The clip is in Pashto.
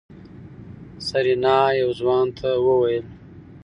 سېرېنا يو ځوان ته وويل.